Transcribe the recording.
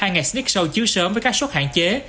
hai ngày sneak show chiếu sớm với các suất hạn chế